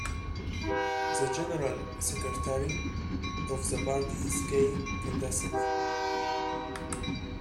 The general secretary of the party is K. Kandasamy.